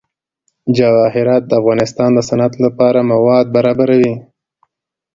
جواهرات د افغانستان د صنعت لپاره مواد برابروي.